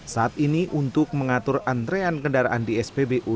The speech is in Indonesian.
saat ini untuk mengatur antrean kendaraan di spbu